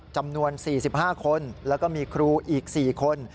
จำนวน๔๕คนแล้วก็มีครูอีก๔คน